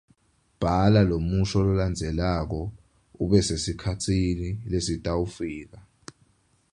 Bhala lomusho lolandzelako ube sesikhatsini lesitawufika.